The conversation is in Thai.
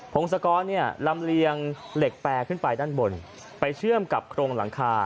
พงศกรเนี่ยลำเลียงเหล็กแปรขึ้นไปด้านบนไปเชื่อมกับโครงหลังคา